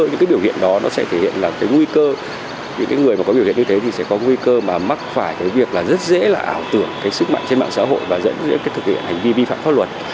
những cái biểu hiện đó nó sẽ thể hiện là cái nguy cơ những người mà có biểu hiện như thế thì sẽ có nguy cơ mà mắc phải cái việc là rất dễ là ảo tưởng cái sức mạnh trên mạng xã hội và dễ cái thực hiện hành vi vi phạm pháp luật